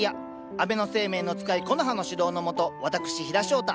安倍晴明の使い「コノハ」の指導のもと私陽田翔太